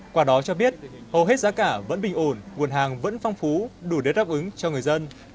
quả đó cho biết hầu hết giá cả vẫn bình ổn nguồn hàng vẫn phong phú đủ để đáp ứng cho người dân